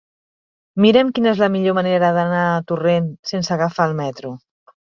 Mira'm quina és la millor manera d'anar a Torrent sense agafar el metro.